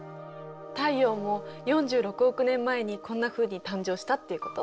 太陽も４６億年前にこんなふうに誕生したっていうこと？